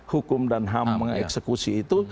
hukum dan ham mengeksekusi itu